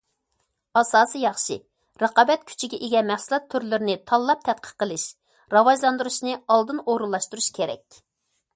ئاساسى ياخشى، رىقابەت كۈچىگە ئىگە مەھسۇلات تۈرلىرىنى تاللاپ تەتقىق قىلىش، راۋاجلاندۇرۇشنى ئالدىن ئورۇنلاشتۇرۇش كېرەك.